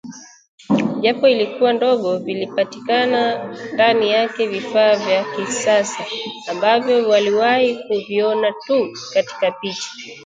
Japo ilikuwa ndogo, vilipatikana ndani yake vifaa vya kisasa ambavyo waliwahi kuviona tu katika picha